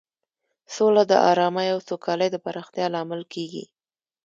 سوله د ارامۍ او سوکالۍ د پراختیا لامل کیږي.